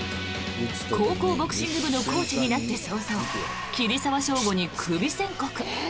高校ボクシング部のコーチになって早々桐沢祥吾にクビ宣告！